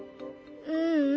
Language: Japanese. ううん。